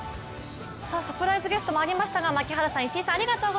サプライズゲストもありましたが槙原さん、石井さん、中居さん